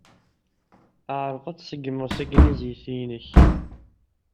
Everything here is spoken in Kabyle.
Ɛṛeḍ ad tseggmeḍ tagnizit-inek.